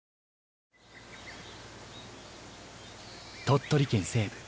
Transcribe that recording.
鳥取県西部